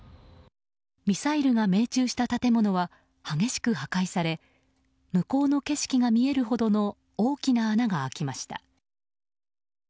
ミサイルが命中した建物は激しく破壊され向こうの景色が見えるほどの大きな穴が開きました。